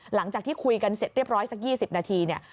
หลังจากที่คุยกันเสร็จเรียบร้อยสัก๒๐นาทีเนี่ย